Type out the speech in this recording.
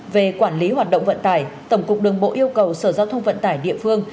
về quản lý hoạt động vận tải tổng cục đường bộ yêu cầu sở giao thông vận tải địa phương